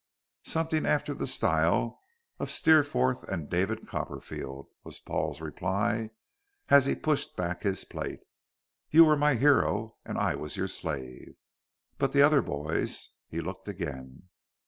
"Something after the style of Steerforth and David Copperfield," was Paul's reply as he pushed back his plate; "you were my hero, and I was your slave. But the other boys " He looked again.